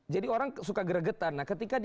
jadi orang suka geregetan